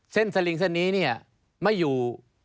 สลิงเส้นนี้เนี่ยไม่อยู่